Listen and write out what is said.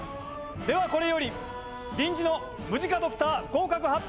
ではこれより臨時のムジカドクター合格発表を執り行う！